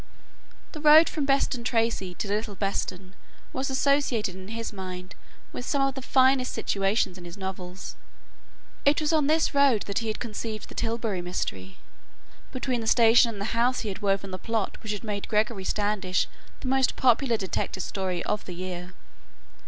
The road from Beston Tracey to Little Beston was associated in his mind with some of the finest situations in his novels. It was on this road that he had conceived "The Tilbury Mystery." Between the station and the house he had woven the plot which had made "Gregory Standish" the most popular detective story of the year.